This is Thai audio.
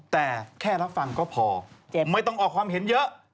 แต่แค่รับฟังก็พอไม่ต้องออกความเห็นเยอะ